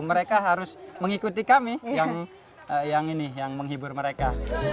mereka harus mengikuti kami yang menghibur mereka